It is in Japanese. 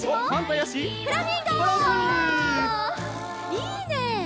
いいね！